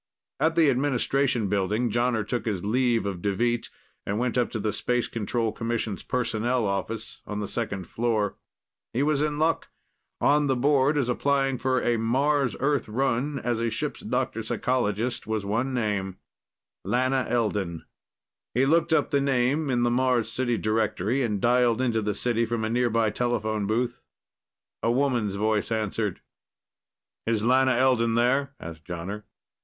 At the administration building, Jonner took his leave of Deveet and went up to the Space Control Commission's personnel office on the second floor. He was in luck. On the board as applying for a Mars Earth run as ship's doctor psychologist was one name: Lana Elden. He looked up the name in the Mars City directory and dialed into the city from a nearby telephone booth. A woman's voice answered. "Is Lana Elden there?" asked Jonner.